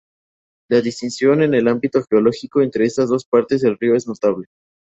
La distinción en el ámbito geológico entre estas dos partes del río es notable.